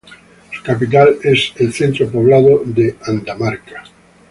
Su capital es el centro poblado de Andamarca.